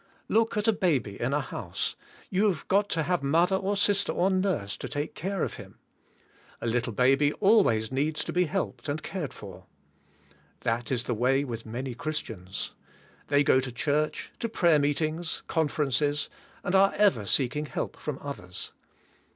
Look at a baby in a house, 3'ou have got to have mother or sister or nurse to take care of him. A little babv CARNAI, or SPIRII^UAt. 5 needs always to be helped and cared for. That is the way with many Christians. They go to church, to prayer meeting s, conferences, and are ever seek ing help from others.